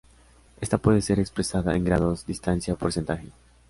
Esta puede ser expresada en grados, distancia o porcentaje.